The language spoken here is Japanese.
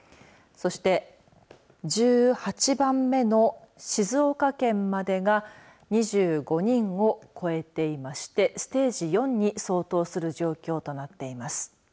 そして、１８番目の静岡県までが２５人を超えていましてステージ４に相当する状況となっています。